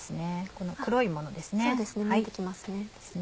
この黒いものですね。